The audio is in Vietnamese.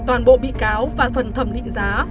toàn bộ bị cáo và phần thẩm định giá